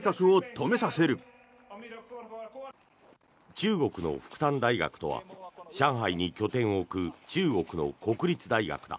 中国の復旦大学とは上海に拠点を置く中国の国立大学だ。